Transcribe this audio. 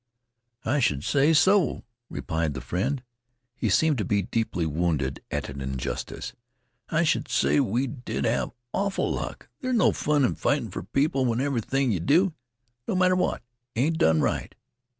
"I should say so," replied the friend. He seemed to be deeply wounded at an injustice. "I should say we did have awful luck! There's no fun in fightin' fer people when everything yeh do no matter what ain't done right.